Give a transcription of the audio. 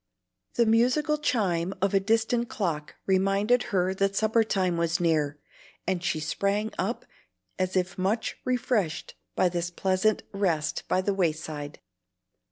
The musical chime of a distant clock reminded her that supper time was near, and she sprang up as if much refreshed by this pleasant rest by the way side.